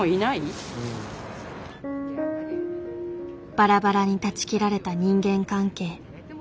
バラバラに断ち切られた人間関係。